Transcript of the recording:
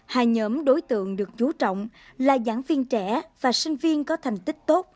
hai nhóm đối tượng được chú trọng là giảng viên trẻ và sinh viên có thành tích tốt